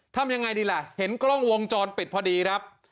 ทำยังไงดีล่ะเห็นกล้องวงจรปิดพอดีครับ